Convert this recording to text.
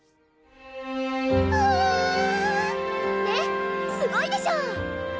ねっすごいでしょ！